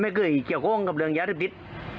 ไม่เคยเชื่อก้องและฮะนี้ก็ไม่คนหรอกครับ